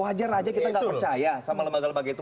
wajar aja kita nggak percaya sama lembaga lembaga itu